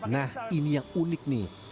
nah ini yang unik nih